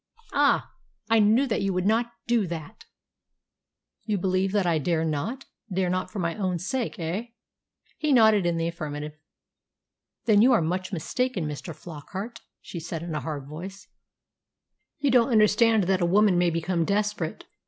"Ah! I knew that you would not do that." "You believe that I dare not dare not for my own sake, eh?" He nodded in the affirmative. "Then you are much mistaken, Mr. Flockart," she said in a hard voice. "You don't understand that a woman may become desperate."